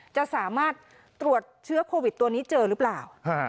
จะสามารถตรวจเชื้อโควิดตัวนี้เจอหรือเปล่า